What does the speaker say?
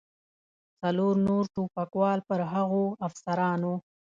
څلور نور ټوپکوال پر هغو افسرانو.